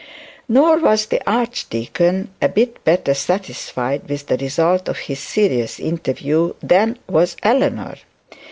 Nor was the archdeacon a bit better satisfied with the result of his serious interview than was Eleanor.